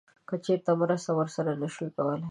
که چیرته مرسته ورسره نه شو کولی